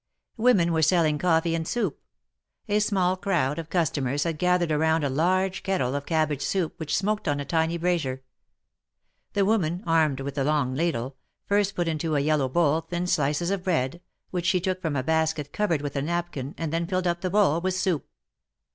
Women were selling coffee and soup. A small crowd of customers had gathered around a large kettle of cab bage soup which smoked on a tiny brasier. The woman, armed with a long ladle, first put into a yellow bowl thin slices of bread, which she took from a basket covered with a napkin, and then filled up the bowl with soup.